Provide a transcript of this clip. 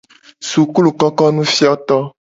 Sukulukokonufioto.